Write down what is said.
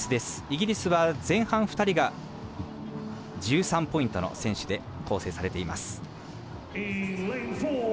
イギリスは前半２人が１３ポイントの選手で構成されています。